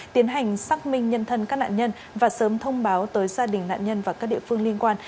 tiến hành xác minh nhân thân các nạn nhân và sớm thông báo tới gia đình nạn nhân và các địa phương liên quan